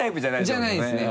じゃないですね